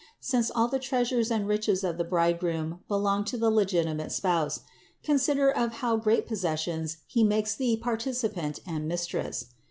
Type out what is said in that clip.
Since all the treasures and riches of the bridegroom belong to the legitimate spouse, consider of how great possessions He makes thee participant and mistress.